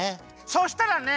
そしたらね